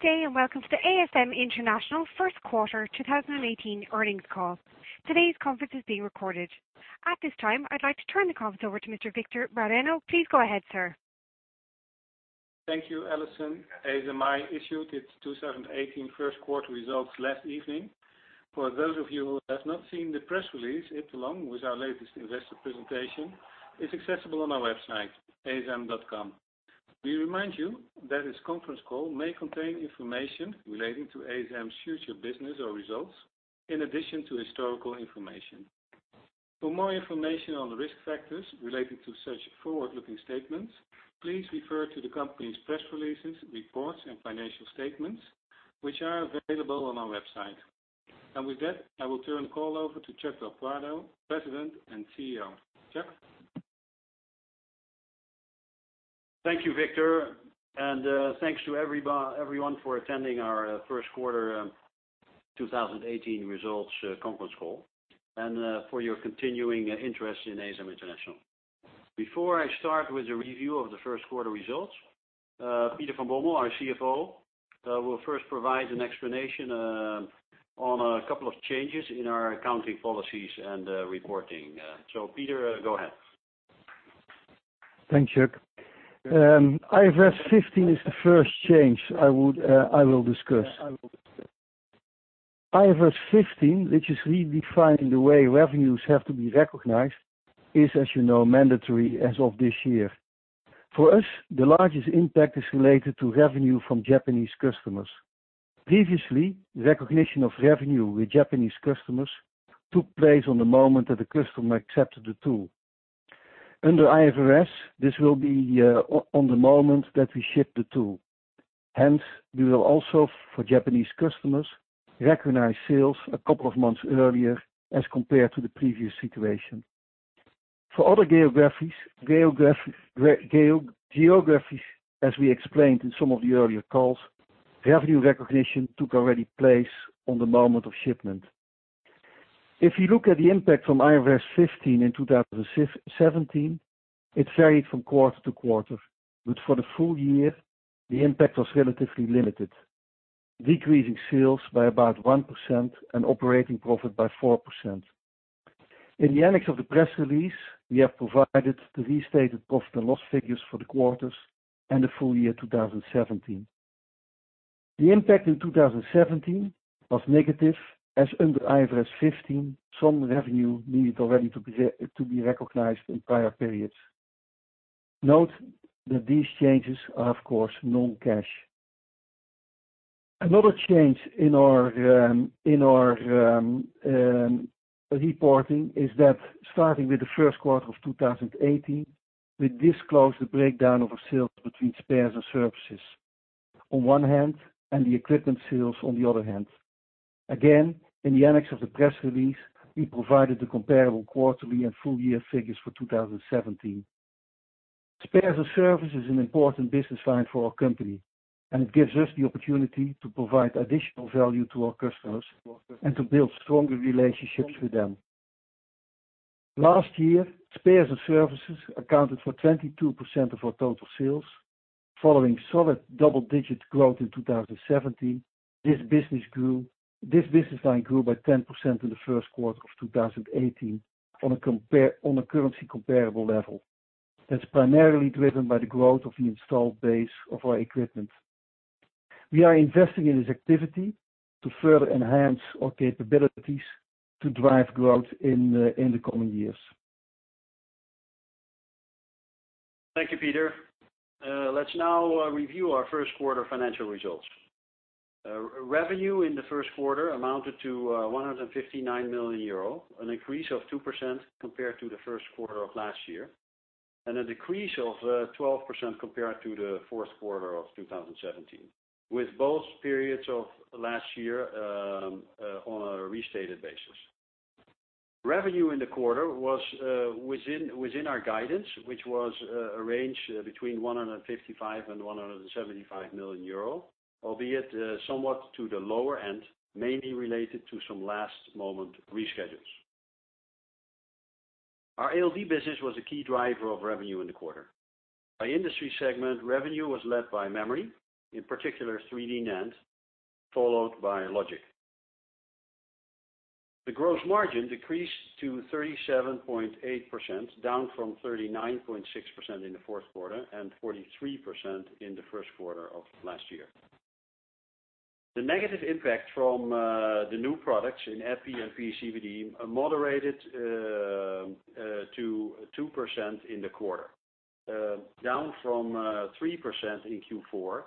Good day, and welcome to the ASM International Q1 2018 earnings call. Today's conference is being recorded. At this time, I'd like to turn the conference over to Mr. Victor Bareño. Please go ahead, sir. Thank you, Allison. ASMI issued its 2018 Q1 results last evening. For those of you who have not seen the press release, it, along with our latest investor presentation, is accessible on our website, asm.com. We remind you that this conference call may contain information relating to ASM's future business or results, in addition to historical information. For more information on the risk factors related to such forward-looking statements, please refer to the company's press releases, reports, and financial statements, which are available on our website. With that, I will turn the call over to Chuck del Prado, President and CEO. Chuck? Thank you, Victor. Thanks to everyone for attending our Q1 2018 results conference call and for your continuing interest in ASM International. Before I start with the review of the Q1 results, Peter van Bommel, our CFO, will first provide an explanation on a couple of changes in our accounting policies and reporting. Peter, go ahead. Thanks, Chuck. IFRS 15 is the first change I will discuss. IFRS 15, which is redefining the way revenues have to be recognized, is, as you know, mandatory as of this year. For us, the largest impact is related to revenue from Japanese customers. Previously, recognition of revenue with Japanese customers took place on the moment that the customer accepted the tool. Under IFRS, this will be on the moment that we ship the tool. Hence, we will also, for Japanese customers, recognize sales a couple of months earlier as compared to the previous situation. For other geographies, as we explained in some of the earlier calls, revenue recognition took already place on the moment of shipment. If you look at the impact from IFRS 15 in 2017, it varied from quarter to quarter, but for the full year, the impact was relatively limited, decreasing sales by about 1% and operating profit by 4%. In the annex of the press release, we have provided the restated profit and loss figures for the quarters and the full year 2017. The impact in 2017 was negative, as under IFRS 15, some revenue needed already to be recognized in prior periods. Note that these changes are, of course, non-cash. Another change in our reporting is that starting with the Q1 of 2018, we disclose the breakdown of our sales between spares and services on one hand, and the equipment sales on the other hand. Again, in the annex of the press release, we provided the comparable quarterly and full-year figures for 2017. Spares and service is an important business line for our company, and it gives us the opportunity to provide additional value to our customers and to build stronger relationships with them. Last year, spares and services accounted for 22% of our total sales. Following solid double-digit growth in 2017, this business line grew by 10% in the Q1 of 2018 on a currency comparable level. That's primarily driven by the growth of the installed base of our equipment. We are investing in this activity to further enhance our capabilities to drive growth in the coming years. Thank you, Peter. Let's now review our Q1 financial results. Revenue in the Q1 amounted to €159 million, an increase of 2% compared to the Q1 of last year, and a decrease of 12% compared to the Q4 of 2017, with both periods of last year on a restated basis. Revenue in the quarter was within our guidance, which was a range between €155 million-€175 million, albeit somewhat to the lower end, mainly related to some last-moment reschedules. Our ALD business was a key driver of revenue in the quarter. By industry segment, revenue was led by memory, in particular 3D NAND, followed by logic. The gross margin decreased to 37.8%, down from 39.6% in the Q4 and 43% in the Q1 of last year. The negative impact from the new products in FE and PECVD moderated to 2% in the quarter, down from 3% in Q4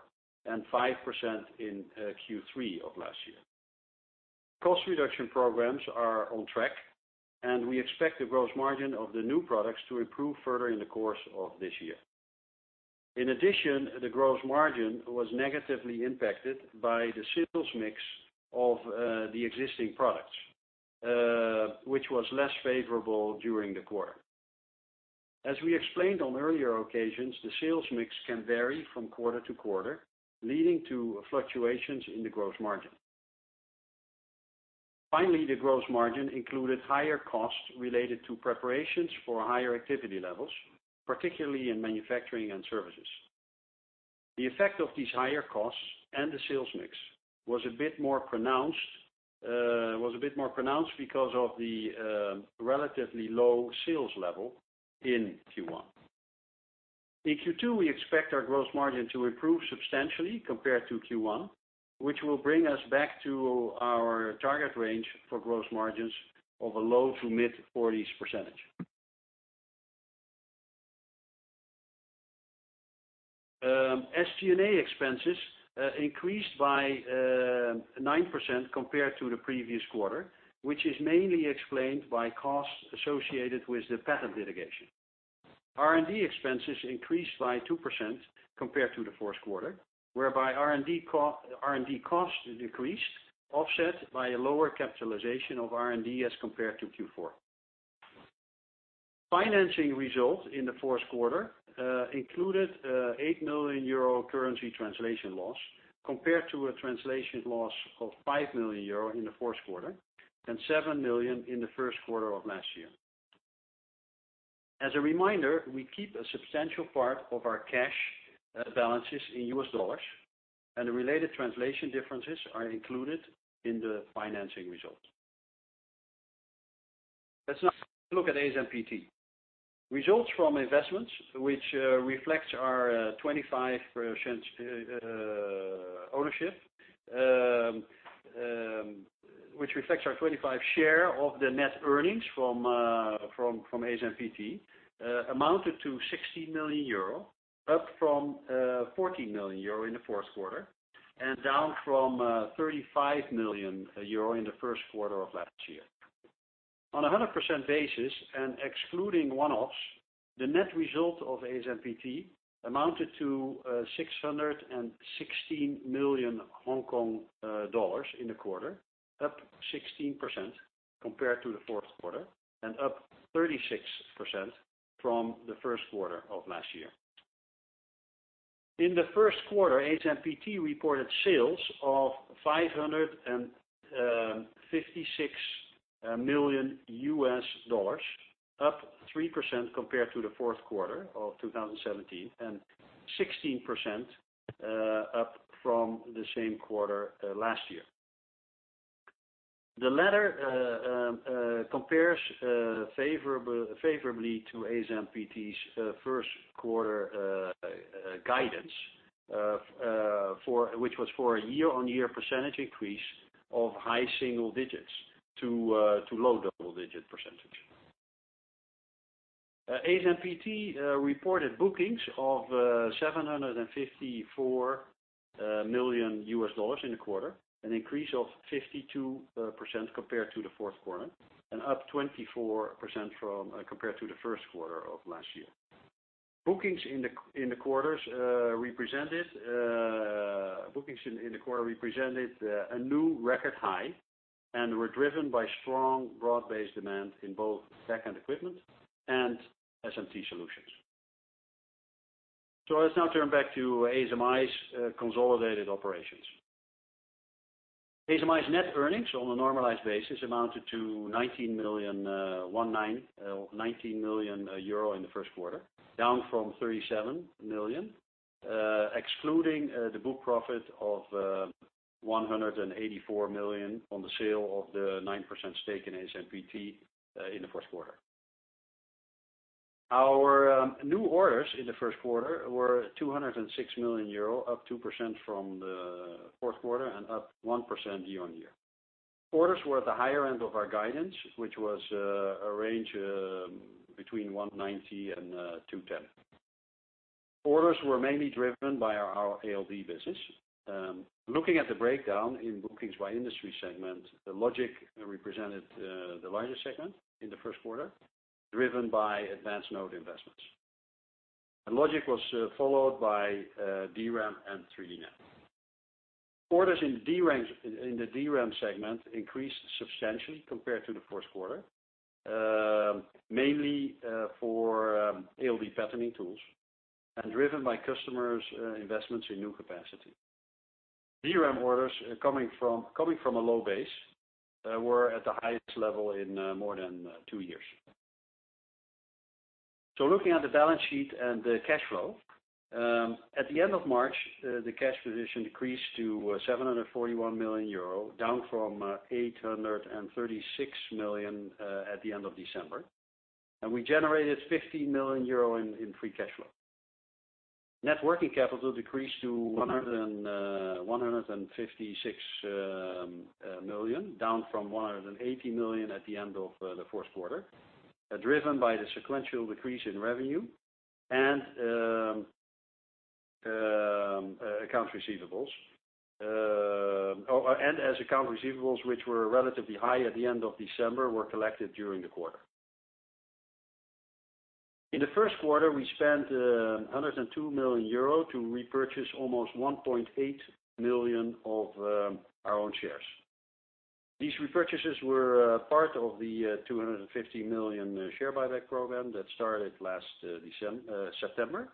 and 5% in Q3 of last year. Cost reduction programs are on track, and we expect the gross margin of the new products to improve further in the course of this year. In addition, the gross margin was negatively impacted by the sales mix of the existing products, which was less favorable during the quarter. As we explained on earlier occasions, the sales mix can vary from quarter to quarter, leading to fluctuations in the gross margin. Finally, the gross margin included higher costs related to preparations for higher activity levels, particularly in manufacturing and services. The effect of these higher costs and the sales mix was a bit more pronounced because of the relatively low sales level in Q1. In Q2, we expect our gross margin to improve substantially compared to Q1, which will bring us back to our target range for gross margins of a low to mid-40s%. SG&A expenses increased by 9% compared to the previous quarter, which is mainly explained by costs associated with the patent litigation. R&D expenses increased by 2% compared to the Q4, whereby R&D cost decreased, offset by a lower capitalization of R&D as compared to Q4. Financing results in the Q4 included an 8 million euro currency translation loss compared to a translation loss of 5 million euro in the Q4, and 7 million in the Q1 of last year. As a reminder, we keep a substantial part of our cash balances in US dollars, and the related translation differences are included in the financing result. Let's now look at ASMPT. Results from investments, which reflects our 25% share of the net earnings from ASMPT, amounted to 60 million euro, up from 14 million euro in the Q4, and down from 35 million euro in the Q1 of last year. On 100% basis and excluding one-offs, the net result of ASMPT amounted to 616 million Hong Kong dollars in the quarter, up 16% compared to the Q4, and up 36% from the Q1 of last year. In the Q1, ASMPT reported sales of $556 million, up 3% compared to the Q4 of 2017, and 16% up from the same quarter last year. The latter compares favorably to ASMPT's Q1 guidance, which was for a year-on-year percentage increase of high single digits to low double-digit%. ASMPT reported bookings of $754 million in the quarter, an increase of 52% compared to the Q4, and up 24% compared to the Q1 of last year. Bookings in the quarter represented a new record high and were driven by strong broad-based demand in both backend equipment and SMT solutions. Let's now turn back to ASMI's consolidated operations. ASMI's net earnings on a normalized basis amounted to 19 million in the Q1, down from 37 million, excluding the book profit of 184 million on the sale of the 9% stake in ASMPT in the Q1. Our new orders in the Q1 were 206 million euro, up 2% from the Q4 and up 1% year-on-year. Orders were at the higher end of our guidance, which was a range between 190 million and 210 million. Orders were mainly driven by our ALD business. Looking at the breakdown in bookings by industry segment, logic represented the largest segment in the Q1, driven by advanced node investments. Logic was followed by DRAM and 3D NAND. Orders in the DRAM segment increased substantially compared to the Q1, mainly for ALD patterning tools and driven by customers' investments in new capacity. DRAM orders coming from a low base, were at the highest level in more than two years. Looking at the balance sheet and the cash flow, at the end of March, the cash position decreased to 741 million euro, down from 836 million at the end of December. We generated 50 million euro in free cash flow. Net working capital decreased to 156 million, down from 180 million at the end of the Q1, driven by the sequential decrease in revenue and account receivables, which were relatively high at the end of December, were collected during the quarter. In the Q1, we spent 102 million euro to repurchase almost 1.8 million of our own shares. These repurchases were part of the 250 million share buyback program that started last September,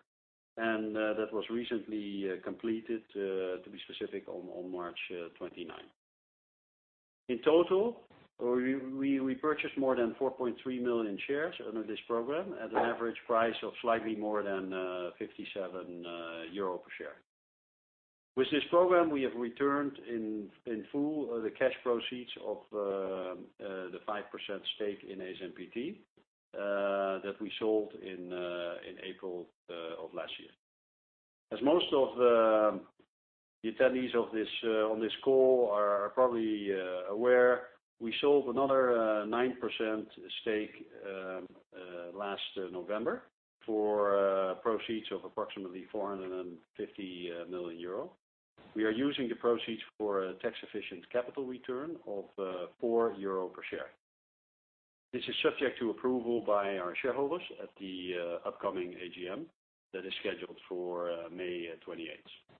and that was recently completed, to be specific, on March 29th. In total, we purchased more than 4.3 million shares under this program at an average price of slightly more than 57 euro per share. With this program, we have returned in full the cash proceeds of the 5% stake in ASMPT that we sold in April of last year. As most of the attendees on this call are probably aware, we sold another 9% stake last November for proceeds of approximately 450 million euro. We are using the proceeds for a tax-efficient capital return of 4 euro per share. This is subject to approval by our shareholders at the upcoming AGM that is scheduled for May 28th.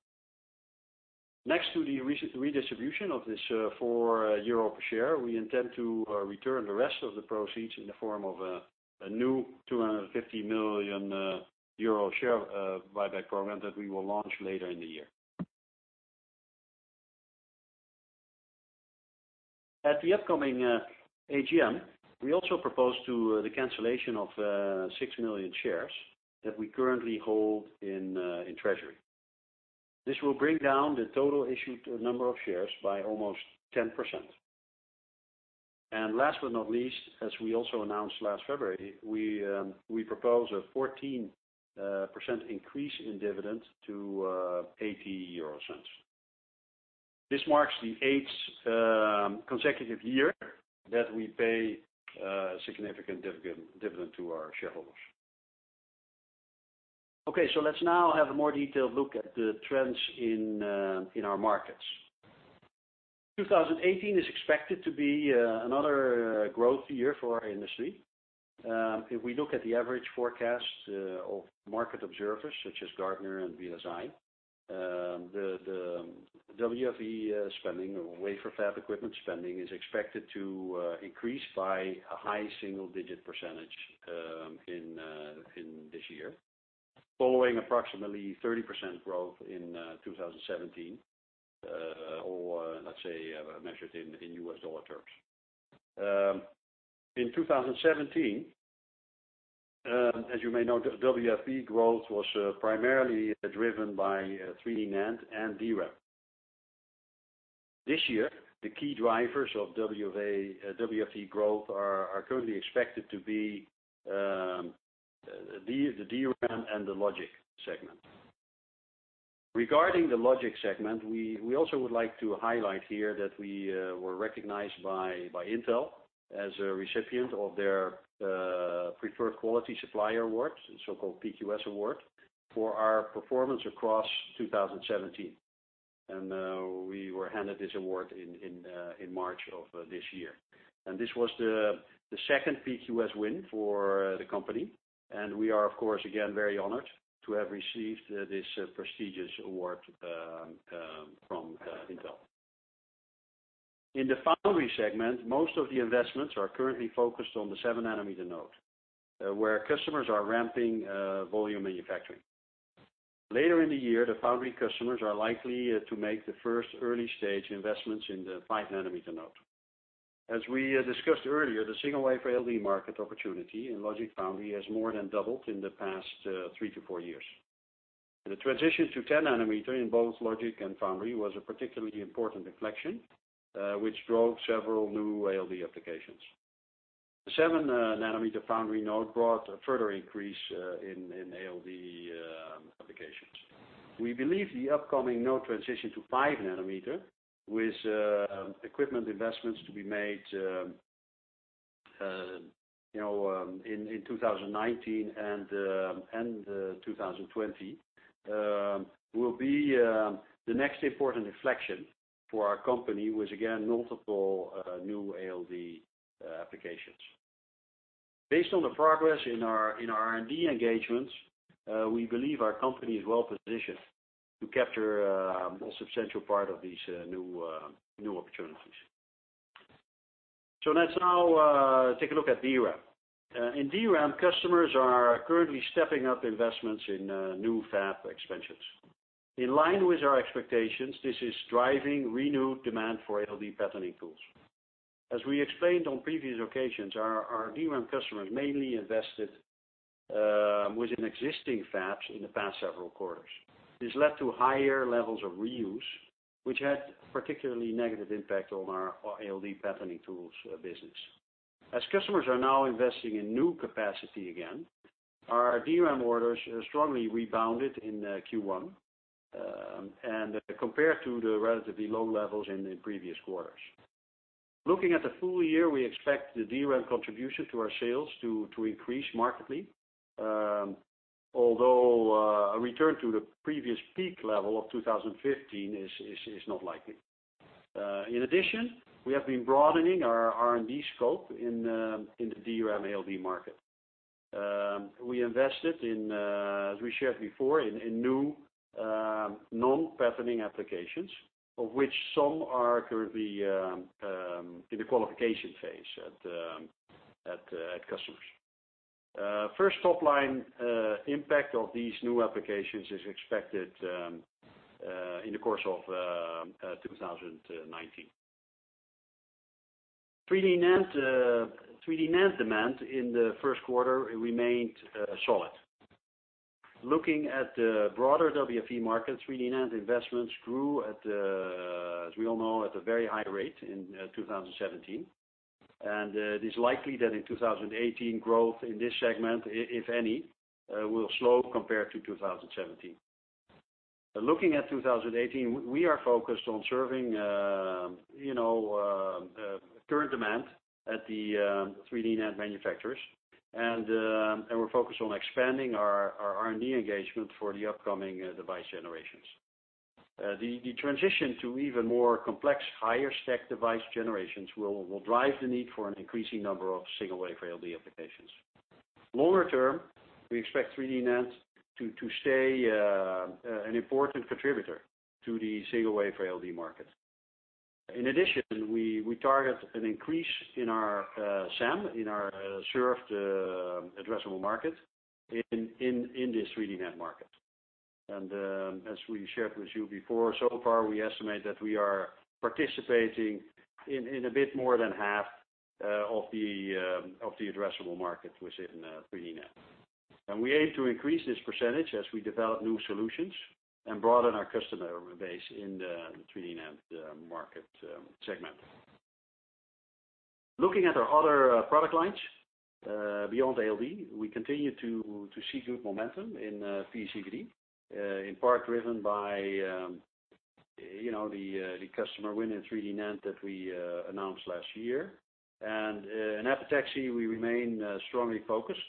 Next to the recent redistribution of this 4 euro per share, we intend to return the rest of the proceeds in the form of a new 250 million euro share buyback program that we will launch later in the year. At the upcoming AGM, we also propose to the cancellation of 6 million shares that we currently hold in treasury. This will bring down the total issued number of shares by almost 10%. Last but not least, as we also announced last February, we propose a 14% increase in dividend to 0.80. This marks the eighth consecutive year that we pay a significant dividend to our shareholders. Okay, let's now have a more detailed look at the trends in our markets. 2018 is expected to be another growth year for our industry. If we look at the average forecast of market observers such as Gartner and VLSI Research, the WFE spending, or wafer fab equipment spending, is expected to increase by a high single-digit % in this year, following approximately 30% growth in 2017, or let's say, measured in U.S. dollar terms. In 2017, as you may know, WFE growth was primarily driven by 3D NAND and DRAM. This year, the key drivers of WFE growth are currently expected to be the DRAM and the logic segment. Regarding the logic segment, we also would like to highlight here that we were recognized by Intel as a recipient of their Preferred Quality Supplier Awards, the so-called PQS Award, for our performance across 2017. We were handed this award in March of this year. This was the second PQS win for the company, and we are, of course, again, very honored to have received this prestigious award from Intel. In the foundry segment, most of the investments are currently focused on the 7 nanometer node, where customers are ramping volume manufacturing. Later in the year, the foundry customers are likely to make the first early-stage investments in the 5 nanometer node. As we discussed earlier, the single wafer ALD market opportunity in logic foundry has more than doubled in the past three to four years. The transition to 10 nanometer in both logic and foundry was a particularly important inflection, which drove several new ALD applications. The 7 nanometer foundry node brought a further increase in ALD applications. We believe the upcoming node transition to 5 nanometer, with equipment investments to be made in 2019 and 2020, will be the next important inflection for our company, with, again, multiple new ALD applications. Based on the progress in our R&D engagements, we believe our company is well-positioned to capture a substantial part of these new opportunities. Let's now take a look at DRAM. In DRAM, customers are currently stepping up investments in new fab expansions. In line with our expectations, this is driving renewed demand for ALD patterning tools. As we explained on previous occasions, our DRAM customers mainly invested within existing fabs in the past several quarters. This led to higher levels of reuse, which had a particularly negative impact on our ALD patterning tools business. As customers are now investing in new capacity again, our DRAM orders strongly rebounded in Q1 and compared to the relatively low levels in the previous quarters. Looking at the full year, we expect the DRAM contribution to our sales to increase markedly, although a return to the previous peak level of 2015 is not likely. In addition, we have been broadening our R&D scope in the DRAM ALD market. We invested, as we shared before, in new non-patenting applications, of which some are currently in the qualification phase at customers. First top line impact of these new applications is expected in the course of 2019. 3D NAND demand in the Q1 remained solid. Looking at the broader WFE market, 3D NAND investments grew, as we all know, at a very high rate in 2017. It is likely that in 2018, growth in this segment, if any, will slow compared to 2017. Looking at 2018, we are focused on serving current demand at the 3D NAND manufacturers, and we're focused on expanding our R&D engagement for the upcoming device generations. The transition to even more complex, higher stack device generations will drive the need for an increasing number of single-wafer ALD applications. Longer term, we expect 3D NAND to stay an important contributor to the single-wafer ALD market. In addition, we target an increase in our SAM, in our served addressable market, in the 3D NAND market. As we shared with you before, so far, we estimate that we are participating in a bit more than half of the addressable market within 3D NAND. We aim to increase this percentage as we develop new solutions and broaden our customer base in the 3D NAND market segment. Looking at our other product lines, beyond ALD, we continue to see good momentum in PECVD, in part driven by the customer win in 3D NAND that we announced last year. In epitaxy, we remain strongly focused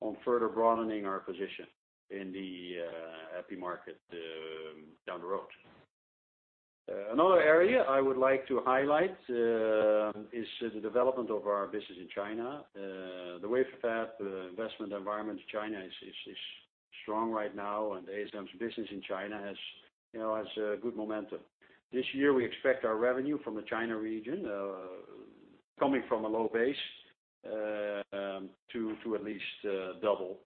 on further broadening our position in the epi market down the road. Another area I would like to highlight is the development of our business in China. The wafer fab investment environment in China is strong right now, and ASM's business in China has good momentum. This year, we expect our revenue from the China region, coming from a low base, to at least double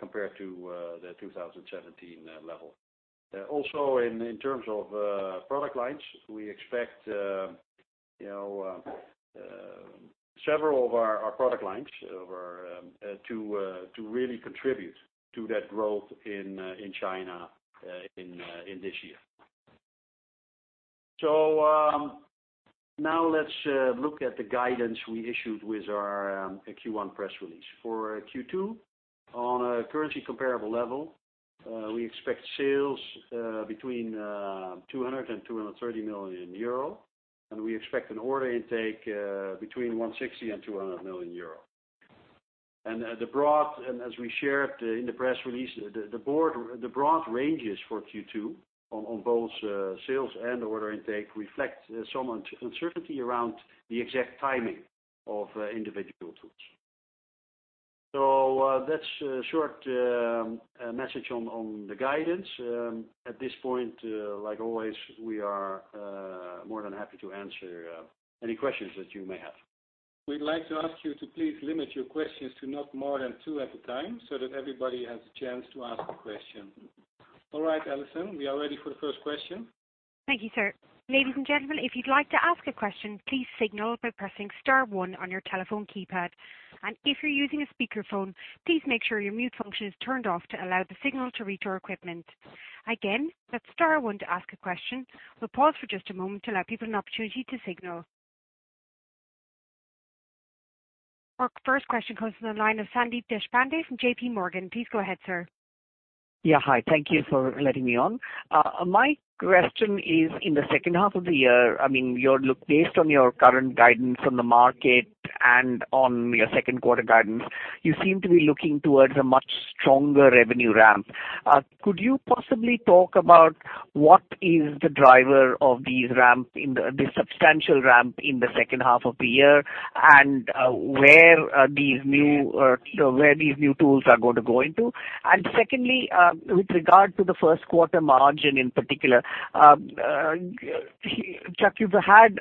compared to the 2017 level. Also, in terms of product lines, we expect several of our product lines to really contribute to that growth in China in this year. Now let's look at the guidance we issued with our Q1 press release. For Q2, on a currency comparable level, we expect sales between 200 million-230 million euro, and we expect an order intake between 160 million-200 million euro. As we shared in the press release, the broad ranges for Q2 on both sales and order intake reflect some uncertainty around the exact timing of individual tools. That's a short message on the guidance. At this point, like always, we are more than happy to answer any questions that you may have. We'd like to ask you to please limit your questions to not more than two at a time, so that everybody has a chance to ask a question. All right, Allison, we are ready for the first question. Thank you, sir. Ladies and gentlemen, if you'd like to ask a question, please signal by pressing star one on your telephone keypad. If you're using a speakerphone, please make sure your mute function is turned off to allow the signal to reach our equipment. Again, that's star one to ask a question. We'll pause for just a moment to allow people an opportunity to signal. Our first question comes from the line of Sandeep Deshpande from JPMorgan. Please go ahead, sir. Hi. Thank you for letting me on. My question is, in the H2 of the year, based on your current guidance from the market and on your Q2 guidance, you seem to be looking towards a much stronger revenue ramp. Could you possibly talk about what is the driver of this substantial ramp in the H2 of the year, and where these new tools are going to go into? Secondly, with regard to the Q1 margin in particular, Chuck, you've had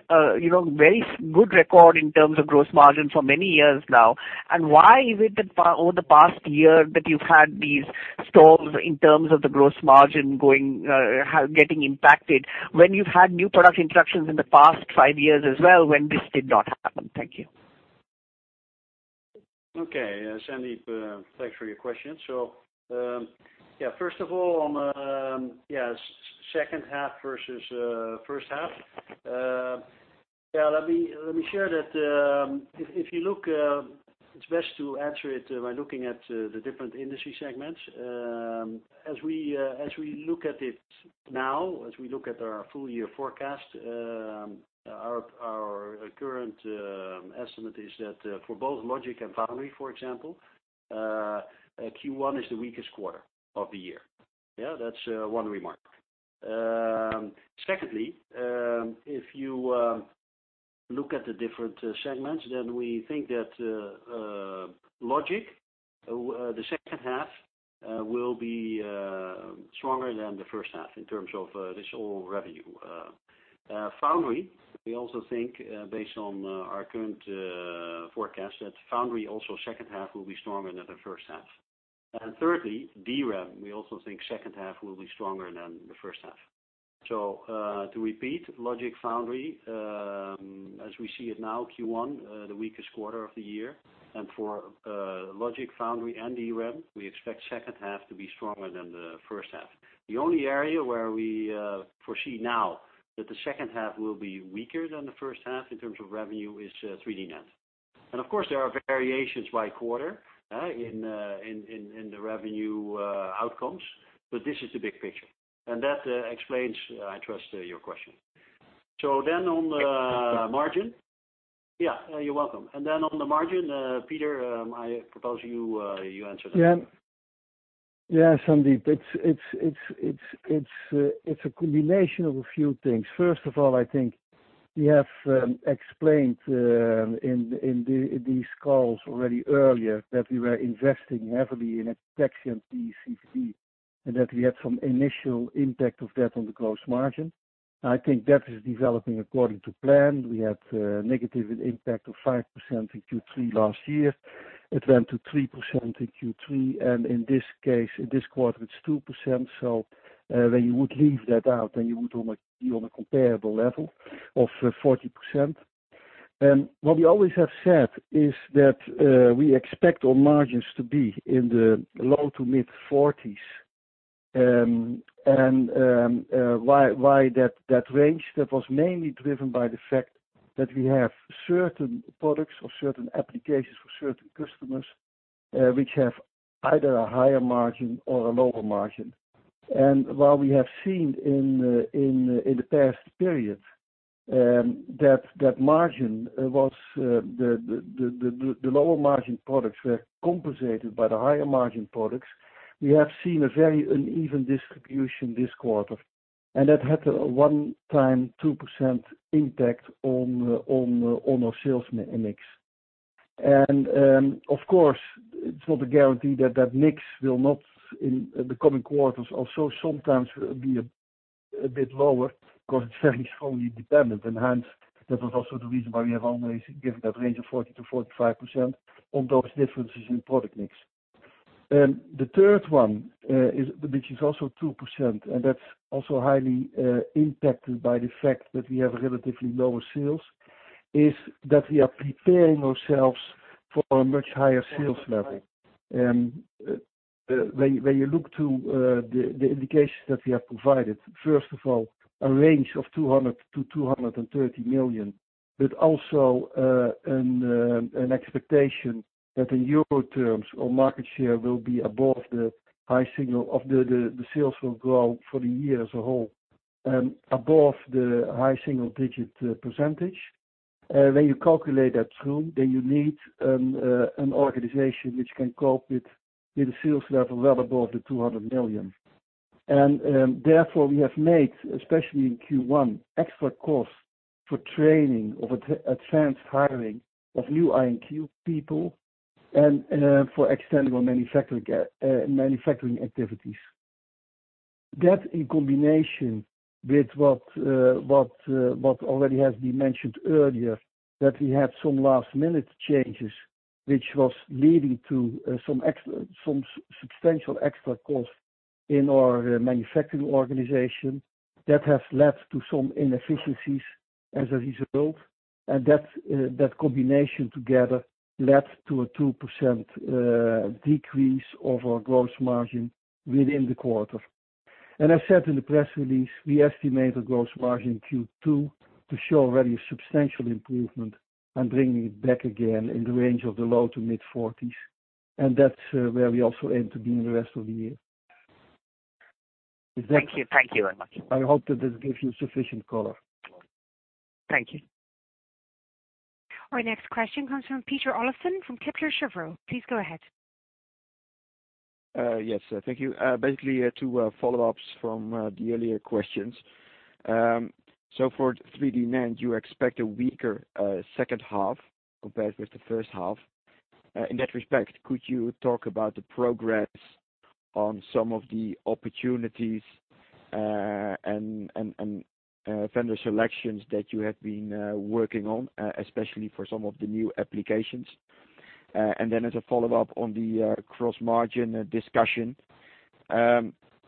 very good record in terms of gross margin for many years now. Why is it that over the past year that you've had these stalls in terms of the gross margin getting impacted when you've had new product introductions in the past five years as well, when this did not happen? Thank you. Okay. Sandeep, thanks for your question. First of all, on H2 versus H1. Let me share that it's best to answer it by looking at the different industry segments. As we look at it now, as we look at our full year forecast, our current estimate is that for both logic and foundry, for example, Q1 is the weakest quarter of the year. That's one remark. Secondly, if you look at the different segments, we think that logic, the H2 will be stronger than the H1 in terms of this whole revenue. Foundry, we also think based on our current forecast, that foundry also H2 will be stronger than the H1. Thirdly, DRAM, we also think H2 will be stronger than the H1. To repeat logic foundry, as we see it now, Q1 the weakest quarter of the year. For logic foundry and DRAM, we expect H2 to be stronger than the H1. The only area where we foresee now that the H2 will be weaker than the H1 in terms of revenue is 3D NAND. Of course, there are variations by quarter in the revenue outcomes. This is the big picture. That explains, I trust, your question. On the margin. Yeah, you're welcome. On the margin, Peter, I propose you answer that. Yeah. Sandeep, it's a combination of a few things. First of all, I think we have explained in these calls already earlier that we were investing heavily in a section DCV, and that we had some initial impact of that on the gross margin. I think that is developing according to plan. We had negative impact of 5% in Q3 last year. It went to 3% in Q3, and in this case, this quarter it's 2%. When you would leave that out, you would be on a comparable level of 40%. What we always have said is that we expect our margins to be in the low to mid-40s. Why that range? That was mainly driven by the fact that we have certain products or certain applications for certain customers, which have either a higher margin or a lower margin. While we have seen in the past period, that the lower-margin products were compensated by the higher-margin products. We have seen a very uneven distribution this quarter, and that had a one-time 2% impact on our sales mix. Of course, it's not a guarantee that mix will not in the coming quarters also sometimes be a bit lower because it's very strongly dependent. Hence, that was also the reason why we have always given that range of 40%-45% on those differences in product mix. The third one, which is also 2%, and that's also highly impacted by the fact that we have relatively lower sales, is that we are preparing ourselves for a much higher sales level. When you look to the indications that we have provided, first of all, a range of 200 million to 230 million. Also an expectation that in Euro terms or market share the sales will grow for the year as a whole, above the high single-digit %. You need an organization which can cope with the sales level well above the 200 million. Therefore we have made, especially in Q1, extra costs for training of advanced hiring of new R&D people and for extending our manufacturing activities. That in combination with what already has been mentioned earlier, that we had some last-minute changes, which was leading to some substantial extra costs in our manufacturing organization. That has led to some inefficiencies as a result. That combination together led to a 2% decrease of our gross margin within the quarter. I said in the press release, we estimate a gross margin Q2 to show very substantial improvement and bringing it back again in the range of the low 40s% to mid-40s%. That's where we also aim to be in the rest of the year. Thank you very much. I hope that this gives you sufficient color. Thank you. Our next question comes from Peter Olofsen from Kepler Cheuvreux. Please go ahead. Yes, thank you. Basically, two follow-ups from the earlier questions. For 3D NAND, you expect a weaker H2 compared with the H1. In that respect, could you talk about the progress on some of the opportunities, and vendor selections that you have been working on, especially for some of the new applications? As a follow-up on the gross margin discussion,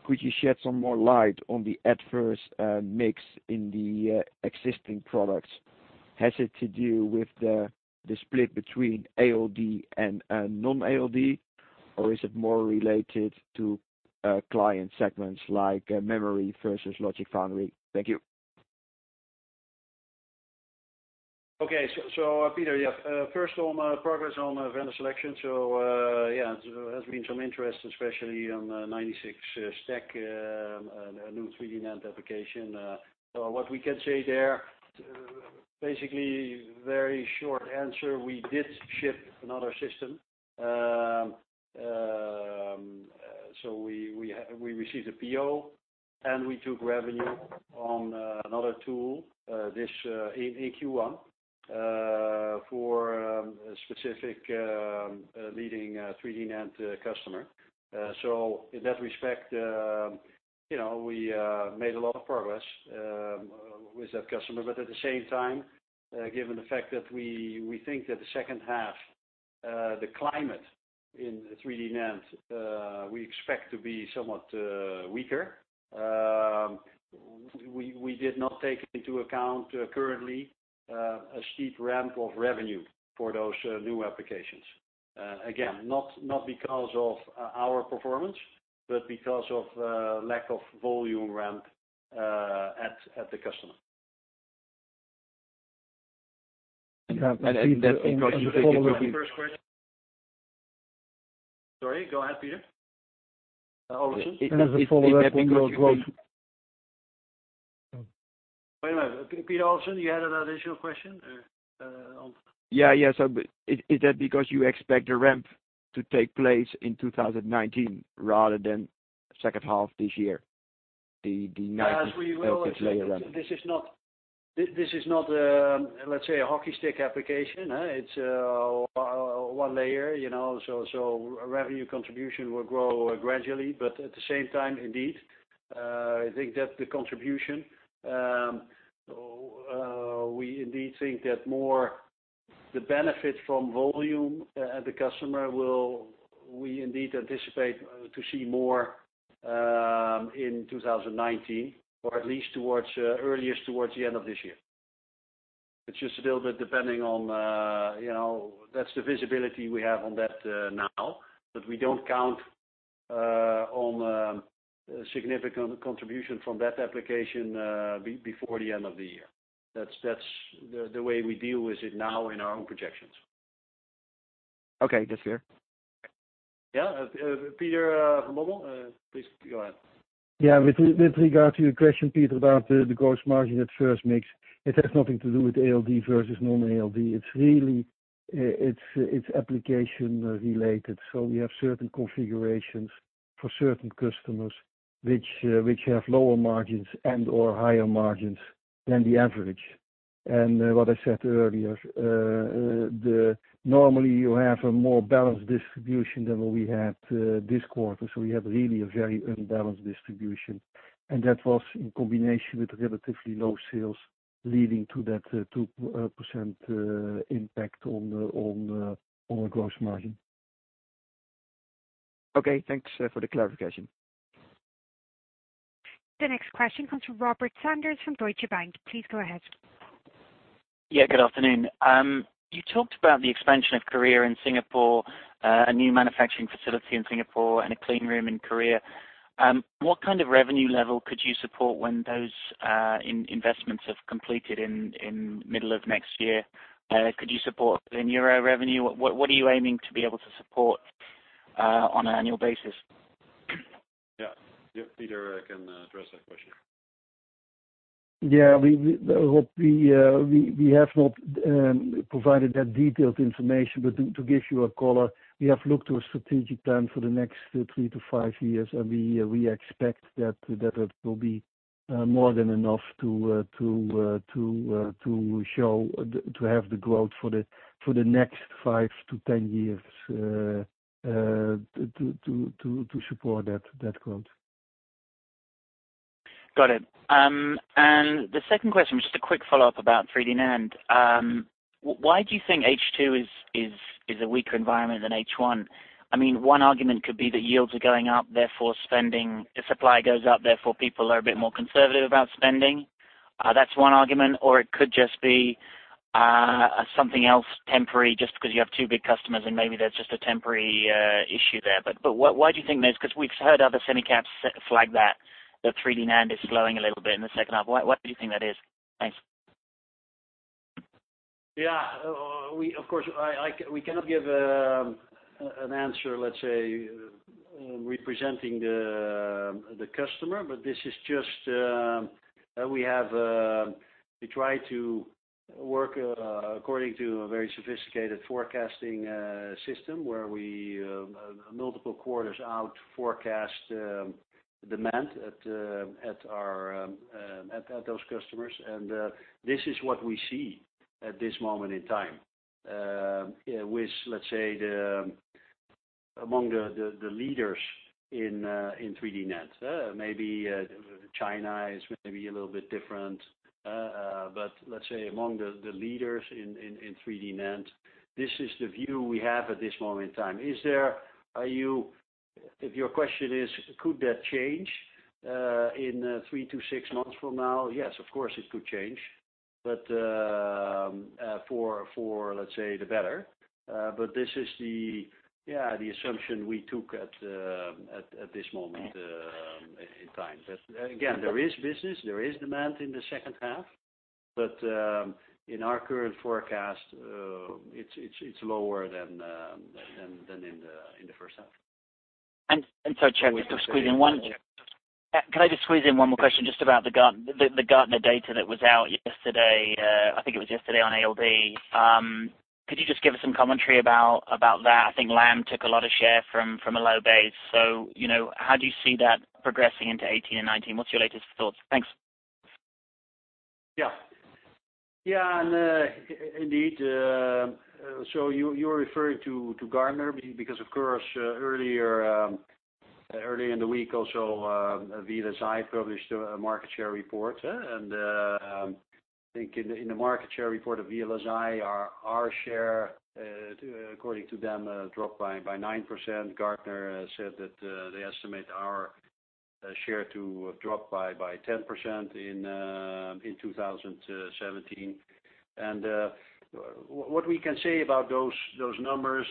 could you shed some more light on the adverse mix in the existing products? Has it to do with the split between ALD and non-ALD, or is it more related to client segments like memory versus logic foundry? Thank you. Peter, yeah. First on progress on vendor selection. Yeah, there has been some interest, especially on 96-stack, a new 3D NAND application. What we can say there, basically very short answer, we did ship another system. We received a PO, and we took revenue on another tool, this in Q1 for a specific leading 3D NAND customer. In that respect, we made a lot of progress with that customer. At the same time, given the fact that we think that the H2, the climate in 3D NAND, we expect to be somewhat weaker. We did not take into account currently, a steep ramp of revenue for those new applications. Again, not because of our performance, but because of lack of volume ramp at the customer. Sorry, go ahead, Peter Olofsen. Wait a minute. Peter Olofsen, you had an additional question? Yeah. Is that because you expect the ramp to take place in 2019 rather than H2 this year? This is not, let's say, a hockey stick application. It's one layer, so revenue contribution will grow gradually. At the same time, indeed, I think that the contribution, we indeed think that more the benefit from volume at the customer, we indeed anticipate to see more in 2019 or at least earliest towards the end of this year. It's just a little bit depending on the visibility we have on that now. We don't count on a significant contribution from that application before the end of the year. That's the way we deal with it now in our own projections. Okay. That's fair. Yeah. Peter van Bommel, please go ahead. Yeah. With regard to your question, Peter, about the gross margin at first mix, it has nothing to do with ALD versus normal ALD. It's application-related. We have certain configurations for certain customers which have lower margins and/or higher margins than the average. What I said earlier, normally you have a more balanced distribution than what we had this quarter. We have really a very imbalanced distribution. That was in combination with relatively low sales leading to that 2% impact on gross margin. Okay, thanks for the clarification. The next question comes from Robert Sanders from Deutsche Bank. Please go ahead. Yeah, good afternoon. You talked about the expansion of Korea and Singapore, a new manufacturing facility in Singapore and a clean room in Korea. What kind of revenue level could you support when those investments have completed in middle of next year? Could you support in EUR revenue? What are you aiming to be able to support on an annual basis? Yeah. Peter can address that question. Yeah. We have not provided that detailed information. To give you a color, we have looked to a strategic plan for the next 3-5 years. We expect that it will be more than enough to have the growth for the next 5-10 years, to support that growth. Got it. The second question, just a quick follow-up about 3D NAND. Why do you think H2 is a weaker environment than H1? One argument could be that yields are going up, therefore, spending. If supply goes up, therefore, people are a bit more conservative about spending. That's one argument. It could just be something else temporary, just because you have two big customers and maybe that's just a temporary issue there. Why do you think that is? We've heard other semi caps flag that 3D NAND is slowing a little bit in the H2. Why do you think that is? Thanks. Yeah. Of course, we cannot give an answer, let's say, representing the customer. This is just, we try to work according to a very sophisticated forecasting system where we multiple quarters out forecast demand at those customers. This is what we see at this moment in time. With, let's say, among the leaders in 3D NAND. Maybe China is a little bit different. Let's say among the leaders in 3D NAND, this is the view we have at this moment in time. If your question is, could that change in 3-6 months from now? Yes, of course, it could change. For, let's say, the better. This is the assumption we took at this moment in time. Again, there is business, there is demand in the H2. In our current forecast, it's lower than in the H1. Can I just squeeze in one more question just about the Gartner data that was out yesterday? I think it was yesterday on ALD. Could you just give us some commentary about that? I think Lam took a lot of share from a low base. How do you see that progressing into 2018 and 2019? What's your latest thoughts? Thanks. Yeah. Indeed. You're referring to Gartner because, of course, earlier in the week, also, VLSI published a market share report. I think in the market share report of VLSI, our share, according to them, dropped by 9%. Gartner said that they estimate our share to drop by 10% in 2017. What we can say about those numbers,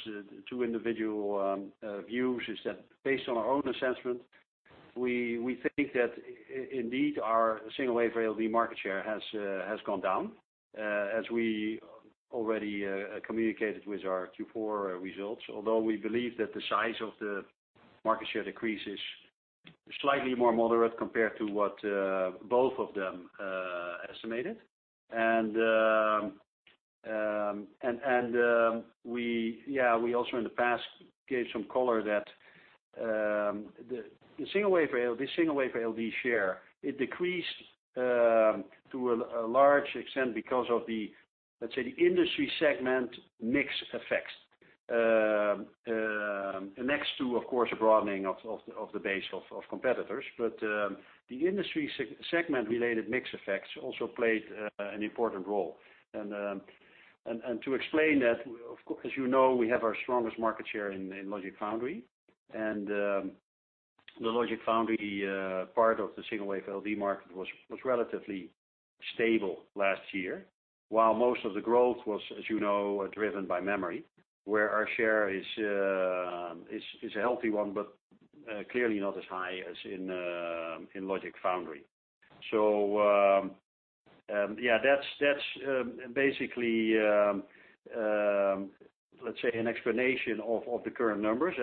two individual views, is that based on our own assessment, we think that indeed our single-wafer ALD market share has gone down, as we already communicated with our Q4 results. Although we believe that the size of the market share decrease is slightly more moderate compared to what both of them estimated. We also in the past gave some color that the single-wafer ALD share, it decreased to a large extent because of the, let's say, the industry segment mix effects. Next to, of course, broadening of the base of competitors. The industry segment-related mix effects also played an important role. To explain that, as you know, we have our strongest market share in logic foundry. The logic foundry part of the single-wafer ALD market was relatively stable last year, while most of the growth was, as you know, driven by memory, where our share is a healthy one, but clearly not as high as in logic foundry. That's basically, let's say, an explanation of the current numbers.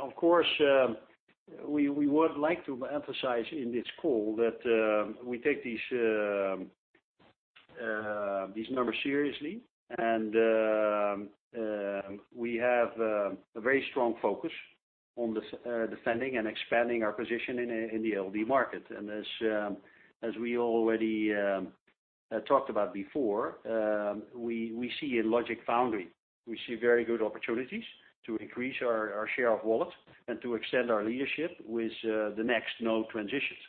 Of course, we would like to emphasize in this call that we take these numbers seriously. We have a very strong focus on defending and expanding our position in the ALD market. As we already talked about before, we see in logic foundry, we see very good opportunities to increase our share of wallet and to extend our leadership with the next node transitions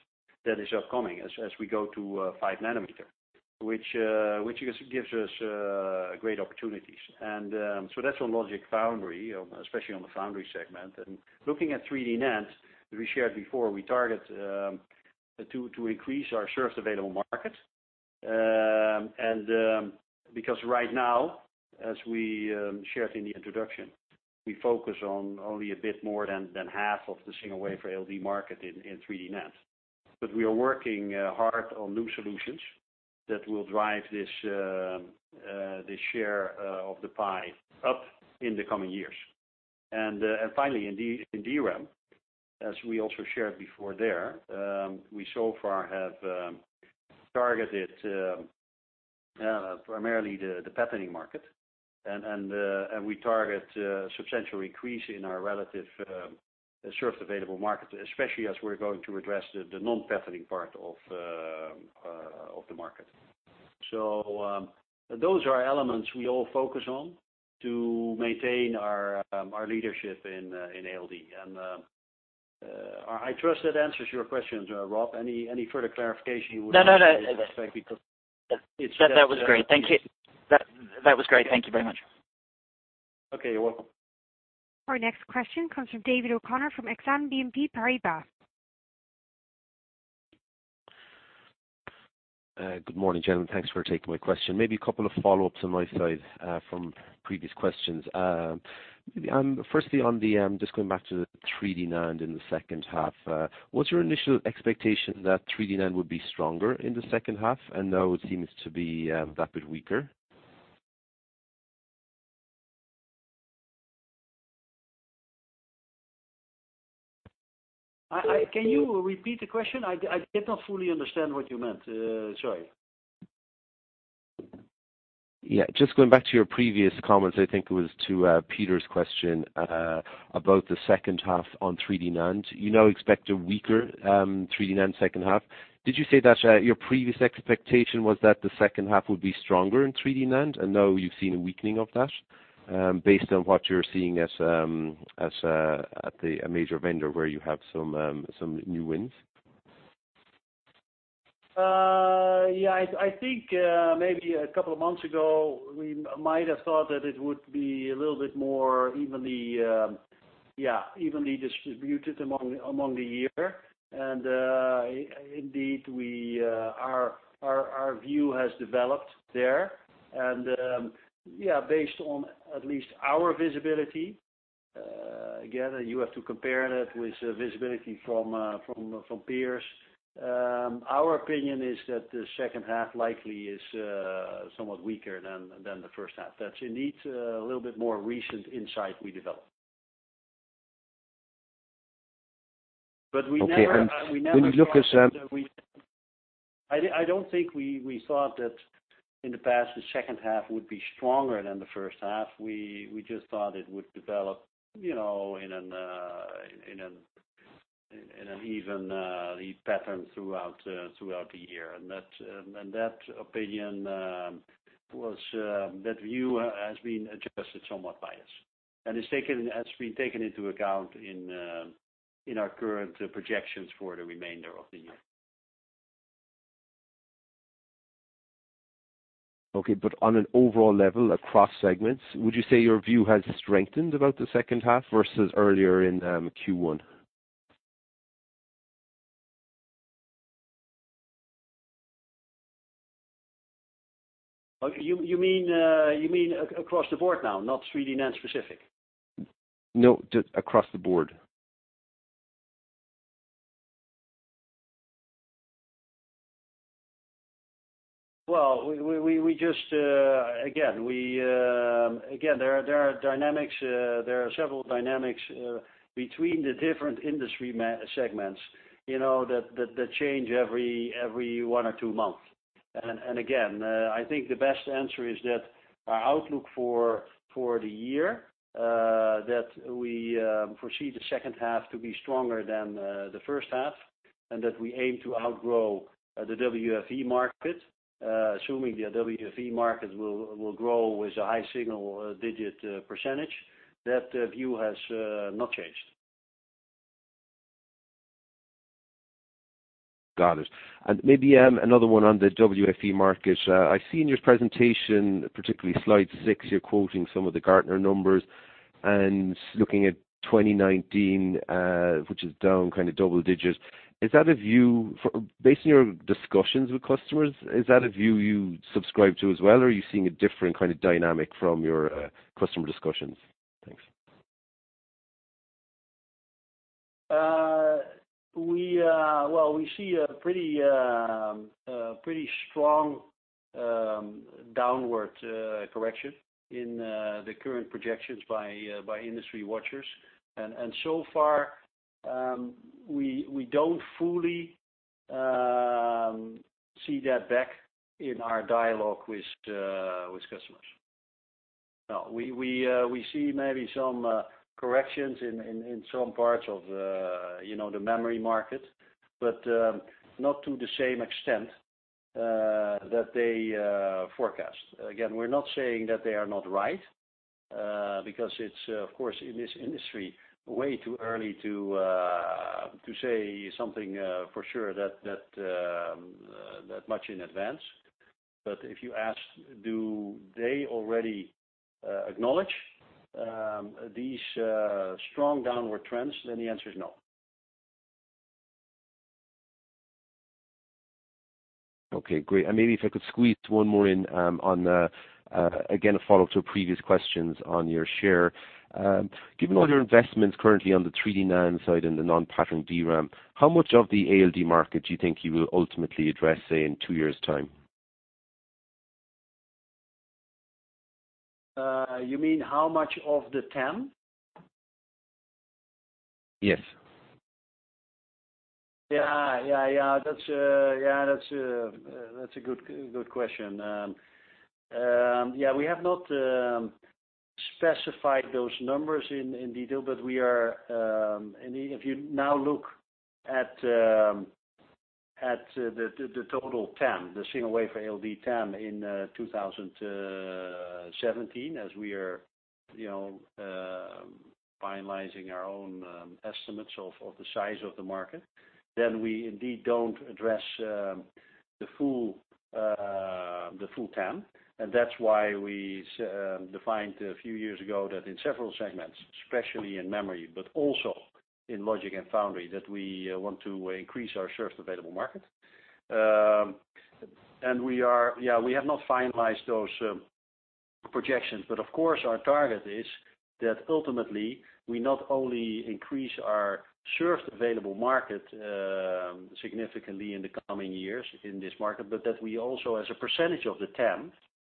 that is upcoming as we go to 5 nanometer. Which gives us great opportunities. That's on logic foundry, especially on the foundry segment. Looking at 3D NAND, as we shared before, we target to increase our shares available market. Because right now, as we shared in the introduction, we focus on only a bit more than half of the single-wafer ALD market in 3D NAND. We are working hard on new solutions that will drive this share of the pie up in the coming years. Finally, in DRAM, as we also shared before there, we so far have targeted primarily the patterning market. We target a substantial increase in our relative shares available market, especially as we're going to address the non-patterning part of the market. Those are elements we all focus on to maintain our leadership in ALD. I trust that answers your question, Rob. Any further clarification you would like in this respect? That was great. Thank you very much. Okay, you're welcome. Our next question comes from David O'Connor from Exane BNP Paribas. Good morning, gentlemen. Thanks for taking my question. Maybe a couple of follow-ups on my side from previous questions. Firstly, just going back to the 3D NAND in the H2. Was your initial expectation that 3D NAND would be stronger in the H2? Now it seems to be that bit weaker. Can you repeat the question? I did not fully understand what you meant. Sorry. Yeah. Just going back to your previous comments, I think it was to Peter's question, about the H2 on 3D NAND. You now expect a weaker 3D NAND H2. Did you say that your previous expectation was that the H2 would be stronger in 3D NAND, and now you've seen a weakening of that based on what you're seeing at the major vendor where you have some new wins? Yeah. I think maybe a couple of months ago, we might have thought that it would be a little bit more evenly distributed among the year. Indeed, our view has developed there. Based on at least our visibility, again, you have to compare that with visibility from peers. Our opinion is that the H2 likely is somewhat weaker than the H1. That's indeed a little bit more recent insight we developed. Okay. I don't think we thought that in the past, the H2 would be stronger than the H1. We just thought it would develop in an even pattern throughout the year. That view has been adjusted somewhat by us, and has been taken into account in our current projections for the remainder of the year. Okay. On an overall level, across segments, would you say your view has strengthened about the H2 versus earlier in Q1? You mean, across the board now, not 3D NAND specific? No, just across the board. Well, again, there are several dynamics between the different industry segments, that change every one or two months. Again, I think the best answer is that our outlook for the year, that we foresee the H2 to be stronger than the H1, and that we aim to outgrow the WFE market, assuming the WFE market will grow with a high single-digit %. That view has not changed. Got it. Maybe another one on the WFE market. I see in your presentation, particularly slide six, you're quoting some of the Gartner numbers and looking at 2019, which is down double digits. Based on your discussions with customers, is that a view you subscribe to as well, or are you seeing a different kind of dynamic from your customer discussions? Thanks. Well, we see a pretty strong downward correction in the current projections by industry watchers. So far, we don't fully see that back in our dialogue with customers. No. We see maybe some corrections in some parts of the memory market, not to the same extent that they forecast. Again, we're not saying that they are not right, because it's, of course, in this industry, way too early to say something for sure that much in advance. If you ask, do they already acknowledge these strong downward trends? The answer is no. Okay, great. Maybe if I could squeeze one more in, again, a follow-up to previous questions on your share. Given all your investments currently on the 3D NAND side and the non-patterned DRAM, how much of the ALD market do you think you will ultimately address, say, in two years' time? You mean how much of the TAM? Yes. Yeah. That's a good question. We have not specified those numbers in detail, but if you now look at the total TAM, the single wafer ALD TAM in 2017, as we are finalizing our own estimates of the size of the market, then we indeed don't address the full TAM. That's why we defined a few years ago that in several segments, especially in memory, but also in logic and foundry, that we want to increase our served available market. We have not finalized those projections, but of course, our target is that ultimately, we not only increase our served available market significantly in the coming years in this market, but that we also, as a percentage of the TAM,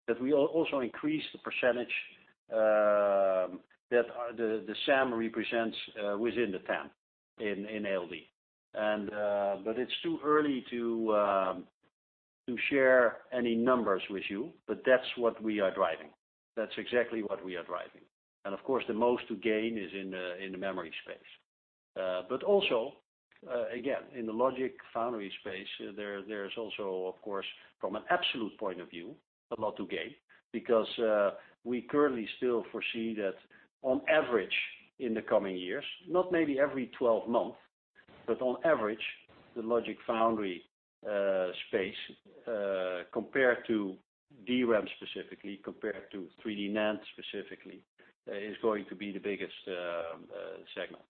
that we also increase the percentage that the SAM represents within the TAM in ALD. It's too early to share any numbers with you, but that's what we are driving. That's exactly what we are driving. Of course, the most to gain is in the memory space. Also, again, in the logic foundry space, there is also, of course, from an absolute point of view, a lot to gain because, we currently still foresee that on average in the coming years, not maybe every 12 months, but on average, the logic foundry space, compared to DRAM specifically, compared to 3D NAND specifically, is going to be the biggest segment.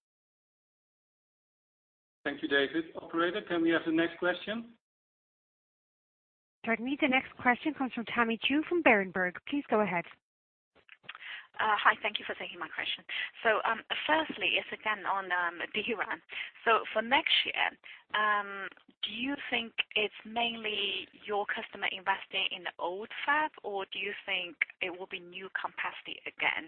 Thank you, David. Operator, can we have the next question? Pardon me. The next question comes from Tammy Qiu from Berenberg. Please go ahead. Hi, thank you for taking my question. Firstly, it's again on DRAM. For next year, do you think it's mainly your customer investing in the old fab, or do you think it will be new capacity again?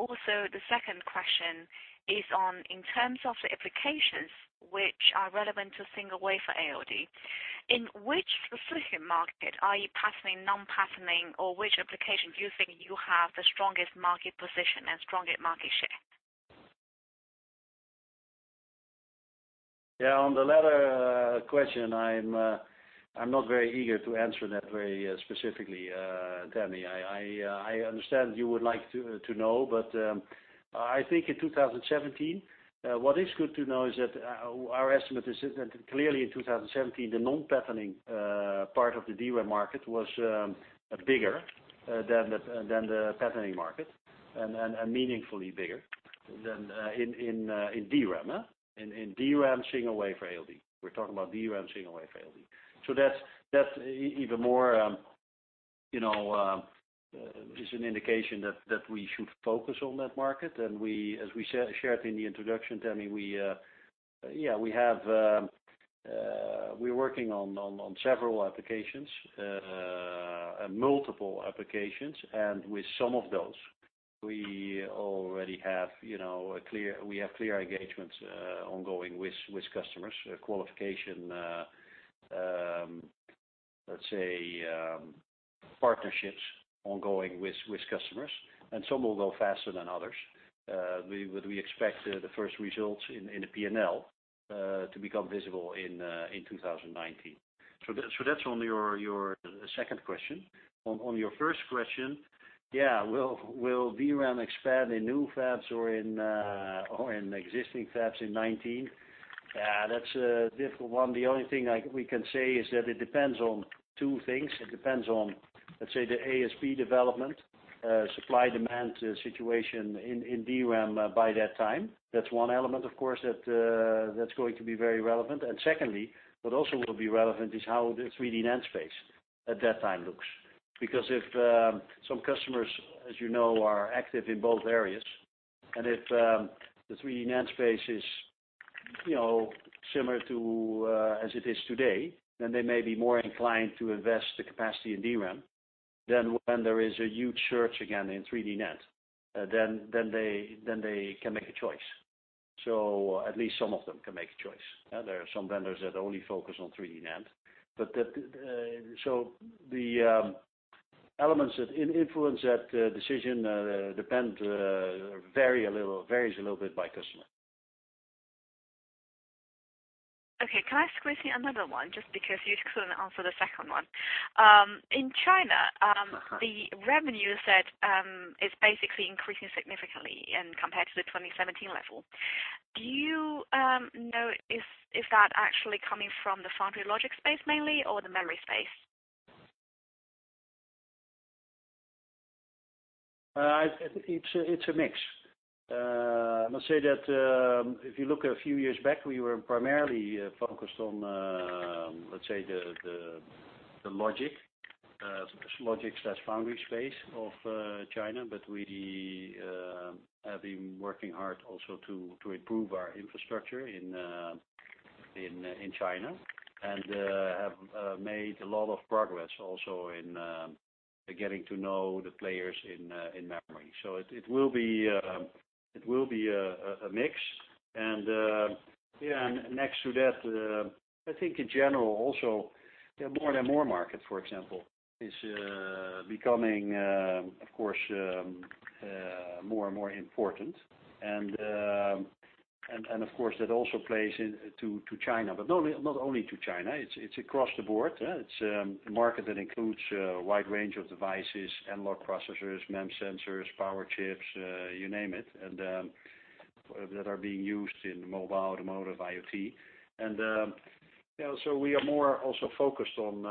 Also, the second question is on, in terms of the applications which are relevant to single wafer ALD, in which specific market are you patterning, non-patterning, or which application do you think you have the strongest market position and strongest market share? On the latter question, I'm not very eager to answer that very specifically, Tammy. I understand you would like to know, I think in 2017, what is good to know is that clearly in 2017, the non-patterning part of the DRAM market was bigger than the patterning market, and meaningfully bigger in DRAM. In DRAM single wafer ALD. We're talking about DRAM single wafer ALD. That's even more is an indication that we should focus on that market. As we shared in the introduction, Tammy, we're working on several applications, and multiple applications. With some of those, we have clear engagements ongoing with customers, qualification, let's say, partnerships ongoing with customers. Some will go faster than others. We expect the first results in the P&L to become visible in 2019. That's on your second question. On your first question, yeah, will DRAM expand in new fabs or in existing fabs in 2019? That's a difficult one. The only thing we can say is that it depends on two things. It depends on, let's say, the ASP development, supply-demand situation in DRAM by that time. That's one element, of course, that's going to be very relevant. Secondly, what also will be relevant is how the 3D NAND space at that time looks. Because if some customers, as you know, are active in both areas, and if the 3D NAND space is similar to as it is today, then they may be more inclined to invest the capacity in DRAM than when there is a huge surge again in 3D NAND, then they can make a choice. At least some of them can make a choice. There are some vendors that only focus on 3D NAND. The elements that influence that decision varies a little bit by customer. Okay. Can I squeeze in another one, just because you couldn't answer the second one? In China, the revenue you said is basically increasing significantly compared to the 2017 level. Do you know if that actually coming from the foundry logic space mainly, or the memory space? It's a mix. I must say that, if you look a few years back, we were primarily focused on, let's say, the logic/foundry space of China. We have been working hard also to improve our infrastructure in China, and have made a lot of progress also in getting to know the players in memory. It will be a mix. Next to that, I think in general also, the More-than-Moore market, for example, is becoming, of course, more and more important. Of course, that also plays into China. Not only to China, it's across the board. It's a market that includes a wide range of devices, analog processors, MEMS sensors, power chips, you name it, that are being used in mobile, automotive, IoT. So we are more also focused on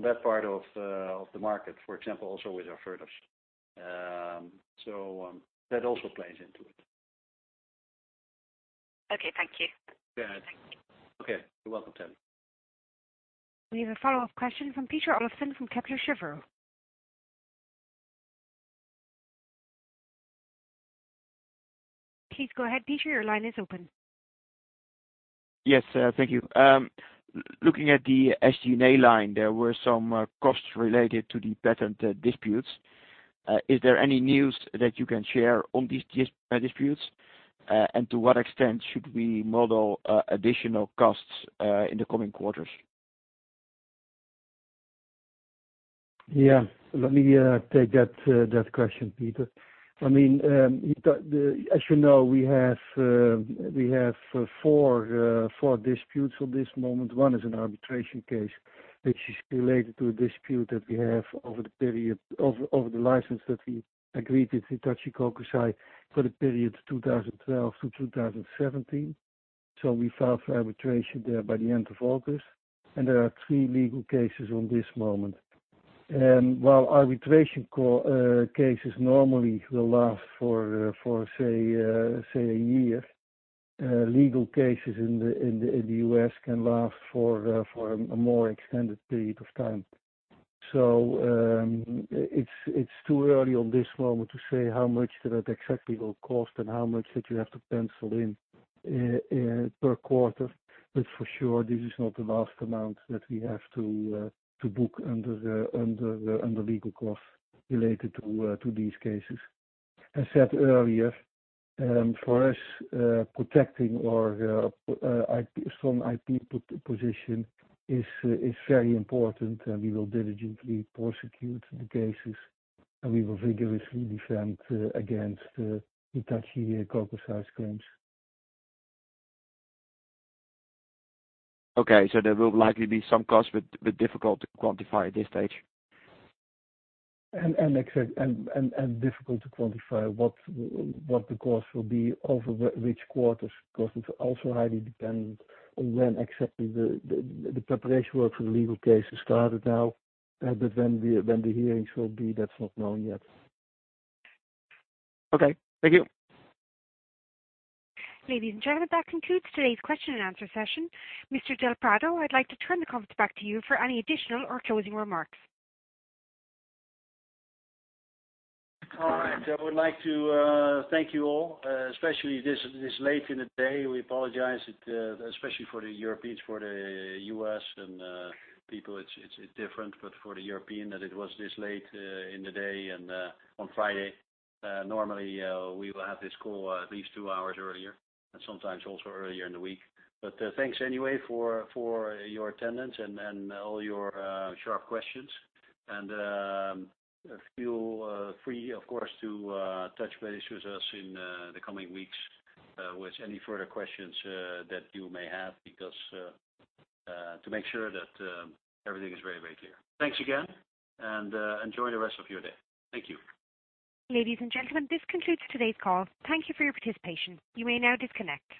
that part of the market, for example, also with our furnaces. That also plays into it. Okay. Thank you. Yeah. Thank you. Okay. You're welcome, Tammy. We have a follow-up question from Peter Olofsen from Kepler Cheuvreux. Please go ahead, Peter, your line is open. Yes. Thank you. Looking at the SG&A line, there were some costs related to the patent disputes. Is there any news that you can share on these disputes? To what extent should we model additional costs in the coming quarters? Let me take that question, Peter. As you know, we have four disputes at this moment. One is an arbitration case, which is related to a dispute that we have over the license that we agreed with Hitachi Kokusai for the period 2012 to 2017. We filed for arbitration there by the end of August, and there are three legal cases on this moment. While arbitration cases normally will last for, say, a year, legal cases in the U.S. can last for a more extended period of time. It's too early on this moment to say how much that exactly will cost and how much that you have to pencil in per quarter. For sure, this is not the last amount that we have to book under the legal costs related to these cases. I said earlier, for us, protecting our strong IP position is very important, and we will diligently prosecute the cases, and we will vigorously defend against Hitachi Kokusai's claims. Okay, there will likely be some cost, but difficult to quantify at this stage. Difficult to quantify what the cost will be over which quarters, because it's also highly dependent on when exactly the preparation work for the legal case is started now, but when the hearings will be, that's not known yet. Okay. Thank you. Ladies and gentlemen, that concludes today's question and answer session. Mr. del Prado, I'd like to turn the conference back to you for any additional or closing remarks. All right. I would like to thank you all, especially this late in the day. We apologize, especially for the Europeans, for the U.S. and people, it's different, but for the European that it was this late in the day and on Friday. Normally, we will have this call at least two hours earlier and sometimes also earlier in the week. Thanks anyway for your attendance and all your sharp questions. Feel free, of course, to touch base with us in the coming weeks with any further questions that you may have to make sure that everything is very clear. Thanks again, and enjoy the rest of your day. Thank you. Ladies and gentlemen, this concludes today's call. Thank you for your participation. You may now disconnect.